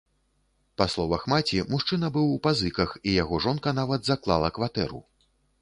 Па словах маці, мужчына быў у пазыках і яго жонка нават заклала кватэру.